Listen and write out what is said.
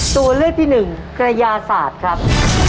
ตัวเลือกที่หนึ่งกระยาศาสตร์ครับ